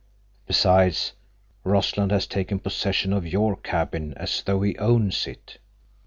Besides, Rossland has taken possession of your cabin as though he owns it.